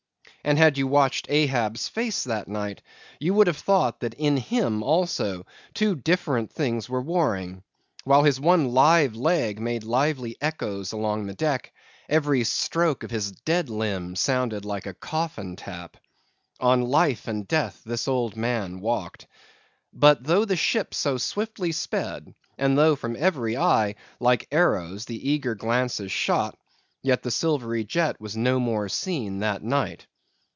And had you watched Ahab's face that night, you would have thought that in him also two different things were warring. While his one live leg made lively echoes along the deck, every stroke of his dead limb sounded like a coffin tap. On life and death this old man walked. But though the ship so swiftly sped, and though from every eye, like arrows, the eager glances shot, yet the silvery jet was no more seen that night.